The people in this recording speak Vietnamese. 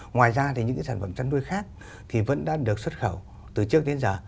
ngoài ra thì những cái sản phẩm chăn nuôi khác thì vẫn đã được xuất khẩu từ trước đến giờ